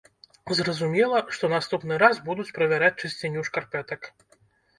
Зразумела, што наступны раз будуць правяраць чысціню шкарпэтак.